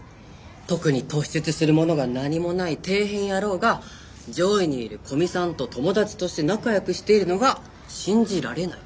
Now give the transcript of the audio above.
特に突出するものが何もない底辺野郎が上位にいる古見さんと友達として仲よくしているのが信じられない。